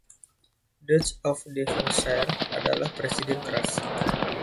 Duchess of Devonshire adalah presiden Trust.